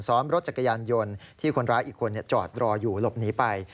ซ้อนรถจักรยานยนต์ที่คนร้ายอีกคนจอดรออยู่หลบหนีไป